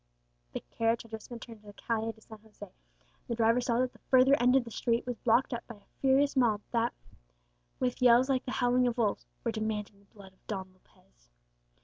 The carriage had just been turned into the Calle de San José, and the driver saw that the further end of the street was blocked up by a furious mob that, with yells like the howling of wolves, were demanding the blood of Don Lopez.